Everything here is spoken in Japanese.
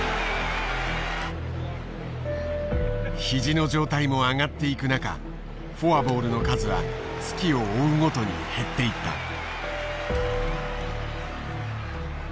肘の状態も上がっていく中フォアボールの数は月を追うごとに減っていった。